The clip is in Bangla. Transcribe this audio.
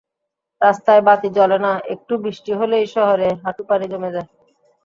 রাস্তায় বাতি জ্বলে না, একটু বৃষ্টি হলেই শহরে হাঁটুপানি জমে যায়।